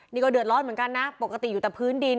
นี่ก็เดือดร้อนเหมือนกันนะปกติอยู่แต่พื้นดิน